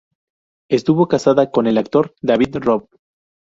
Estuvo casada con el actor David Robb.